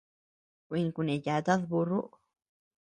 Kuin kuneyatad burru.